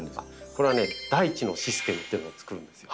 これはね大地のシステムというのを作るんですよ。